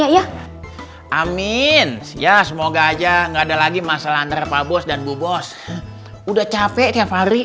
ya amin ya semoga aja nggak ada lagi masalah antara pak bos dan bu bos udah capek tiap hari